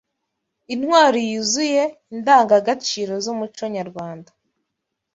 intwari y’uzuye indangagaciro z’umuco nyarwanda